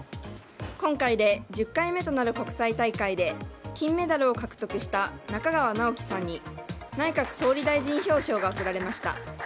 今回で１０回目となる国際大会で金メダルを獲得した中川直樹さんに内閣総理大臣表彰が贈られました。